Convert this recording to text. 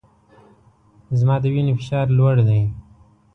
زما د وینې فشار لوړ دی